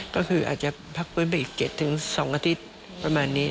ก็คืออาจจะพักฟื้นไปอีก๗๒อาทิตย์ประมาณนี้